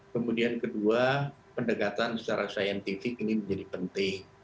kemudian kedua pendekatan secara saintifik ini menjadi penting